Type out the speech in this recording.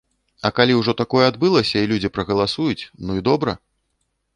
А калі ўжо такое адбылася і людзі прагаласуюць, ну і добра!